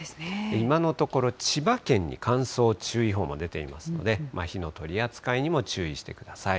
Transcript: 今のところ、千葉県に乾燥注意報が出ていますので、火の取り扱いにも注意してください。